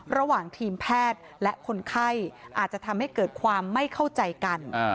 ระหว่างทีมแพทย์และคนไข้อาจจะทำให้เกิดความไม่เข้าใจกัน